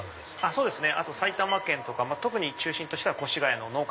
そうですね。